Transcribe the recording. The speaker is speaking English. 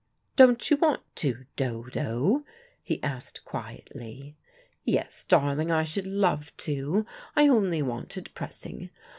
"Don't you want to, Dodo?" he asked quietly. "Yes, darling, I should love to. I only wanted pressing.